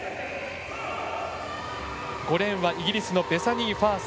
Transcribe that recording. ５レーンはイギリスのベサニー・ファース。